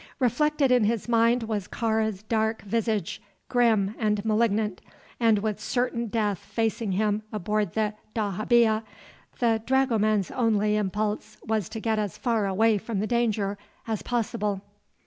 Reflected in his mind was Kāra's dark visage, grim and malignant, and with certain death facing him aboard the dahabeah, the dragoman's only impulse was to get as far away from the danger as possible.